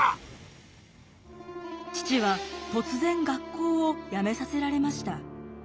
父は突然学校を辞めさせられました。